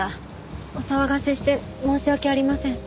お騒がせして申し訳ありません。